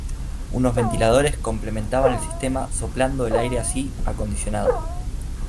Unos ventiladores complementaban el sistema soplando el aire así acondicionado.